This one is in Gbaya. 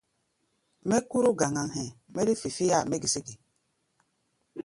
Mɛ́ kóró gagaŋ hɛ̧ɛ̧, mɛ́ tɛ́ fe féáa mɛ́ gesé ge?